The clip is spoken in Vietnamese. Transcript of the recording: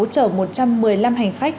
chở một trăm một mươi năm hành khách